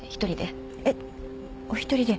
えっお一人で？